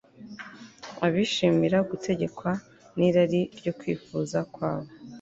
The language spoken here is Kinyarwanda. abishimira gutegekwa n'irari ryo kwifuza kwabo